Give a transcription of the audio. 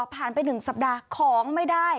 ผ่านไปหนึ่งสัปดาห์ของไม่ได้